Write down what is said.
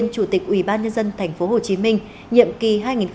chủ tịch ubnd tp hcm nhậm kỳ hai nghìn một mươi sáu hai nghìn hai mươi một